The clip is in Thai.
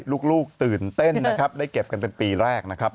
ลูกตื่นเต้นนะครับได้เก็บกันเป็นปีแรกนะครับ